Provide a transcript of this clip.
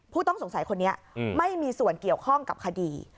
ผู้ต้องสงสัยคนนี้ไม่มีส่วนเกี่ยวข้องกับคดี